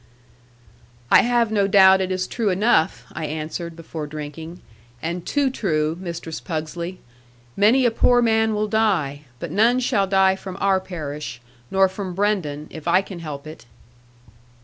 'I have no doubt it is true enough,' I answered, before drinking; 'and too true, Mistress Pugsley. Many a poor man will die; but none shall die from our parish, nor from Brendon, if I can help it.'